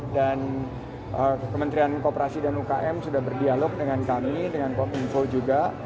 dan kementerian kooperasi dan ukm sudah berdialog dengan kami dengan kominfo juga